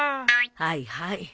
はいはい。